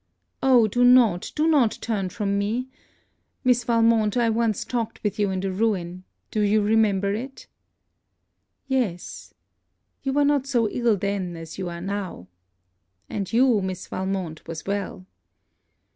'Oh do not, do not turn from me! Miss Valmont, I once talked with you in the Ruin Do you remember it?' 'Yes. You were not so ill then, as you are now.' 'And you, Miss Valmont, was well.'